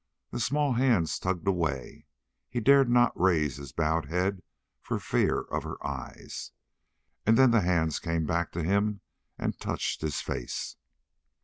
The small hands tugged away. He dared not raise his bowed head for fear of her eyes. And then the hands came back to him and touched his face.